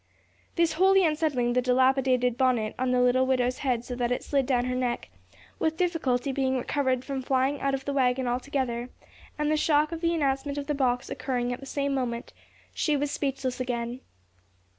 This wholly unsettling the dilapidated bonnet on the little widow's head so that it slid down her neck, with difficulty being recovered from flying out of the wagon altogether, and the shock of the announcement of the box occurring at the same moment, she was speechless again.